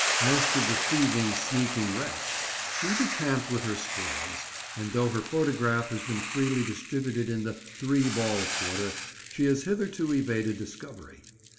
As to the thieving, sneaking wretch, she decamped with her spoils; and though her photograph has been freely distributed in the "three ball" quarter, she has hitherto evaded discovery.